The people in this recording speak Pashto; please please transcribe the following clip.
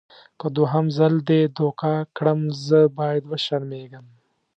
که دوهم ځل دې دوکه کړم زه باید وشرمېږم.